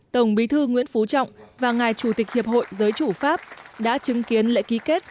tổng bí thư nguyễn phú trọng và ngài chủ tịch hiệp hội giới chủ pháp đã chứng kiến lễ ký kết